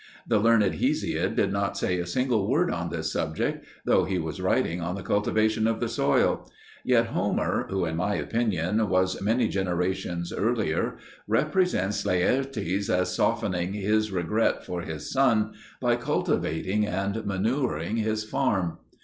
The learned Hesiod did not say a single word on this subject, though he was writing on the cultivation of the soil; yet Homer, who in my opinion was many generations earlier, represents Laertes as softening his regret for his son by cultivating and manuring his farm.